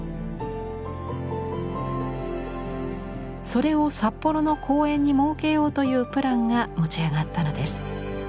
それを札幌の公園に設けようというプランが持ち上がったのです。